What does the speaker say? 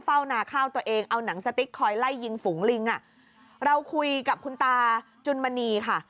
นาข้าวตัวเองเอาหนังสติ๊กคอยไล่ยิงฝูงลิงอ่ะเราคุยกับคุณตาจุนมณีค่ะ